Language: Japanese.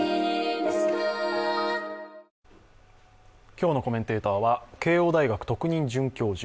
今日のコメンテーターは慶応大学特任准教授